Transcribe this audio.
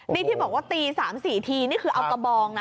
นี่ที่บอกว่าตี๓๔ทีนี่คือเอากระบองนะ